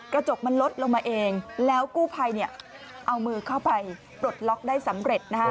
กระจกมันลดลงมาเองแล้วกู้ภัยเอามือเข้าไปปลดล็อกได้สำเร็จนะคะ